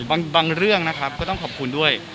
บางเรื่องนะครับก็ต้องขอบคุณด้วย